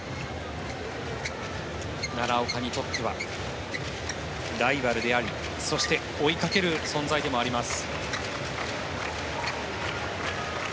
奈良岡にとってはライバルでありそして追いかける存在でもあります。